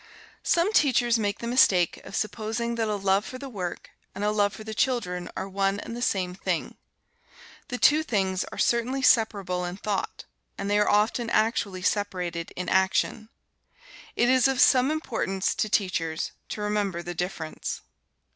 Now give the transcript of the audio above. Some teachers make the mistake of supposing that a love for the work and a love for the children are one and the same thing. The two things are certainly separable in thought, and they are often actually separated in action. It is of some importance to teachers to remember the difference.